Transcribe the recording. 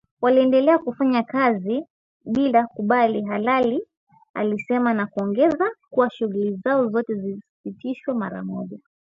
Waliendelea kufanya kazi bila kibali halali alisema na kuongeza kuwa shughuli zao zote zisitishwe mara moja